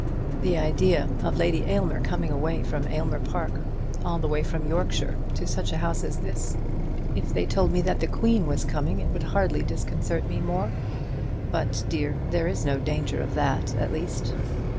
The idea of Lady Aylmer coming away from Aylmer Park, all the way from Yorkshire, to such a house as this! If they told me that the Queen was coming it would hardly disconcert me more. But, dear, there is no danger of that at least."